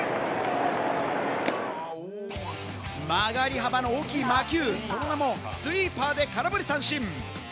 曲がり幅の大きい魔球、その名もスイーパーで空振り三振！